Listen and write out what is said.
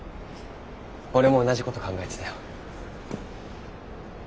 俺も同じこと考えてたよ。